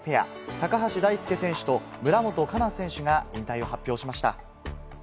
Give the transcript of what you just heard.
高橋大輔選手と村元哉中選手が引退を発表しました。